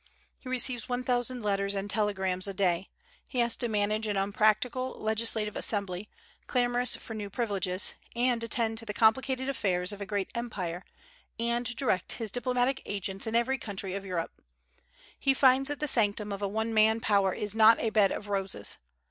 He receives one thousand letters and telegrams a day. He has to manage an unpractical legislative assembly, clamorous for new privileges, and attend to the complicated affairs of a great empire, and direct his diplomatic agents in every country of Europe. He finds that the sanctum of a one man power is not a bed of roses.